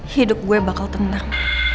hidup gue bakal tenang